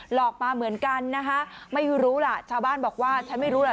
หลอกมาเหมือนกันนะคะไม่รู้ล่ะชาวบ้านบอกว่าฉันไม่รู้แหละ